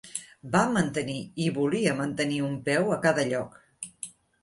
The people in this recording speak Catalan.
Va mantenir i volia mantenir un peu a cada lloc.